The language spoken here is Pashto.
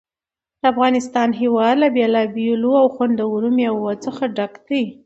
د افغانستان هېواد له بېلابېلو او خوندورو مېوو څخه پوره ډک دی.